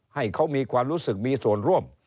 ให้เขามีความรู้สึกมีส่วนร่วม